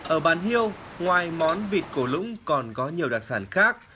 ở bàn hiêu ngoài món vịt cổ lũng còn có nhiều đặc sản khác